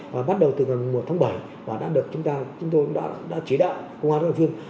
và bắt đầu từ mùa tháng bảy và đã được chúng ta chúng tôi đã chỉ đạo công an đồng viên